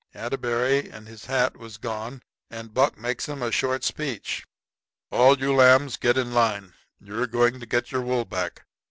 Atterbury and his hat was gone. And Buck makes 'em a short speech. "All you lambs get in line. You're going to get your wool back.